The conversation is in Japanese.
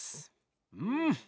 うん。